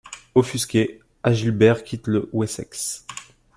Offusqué, Agilbert quitte le Wessex.